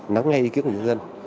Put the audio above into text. nắm ngay ý kiến của nhân dân